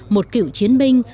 một cựu chiến binh